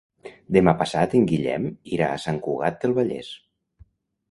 Demà passat en Guillem irà a Sant Cugat del Vallès.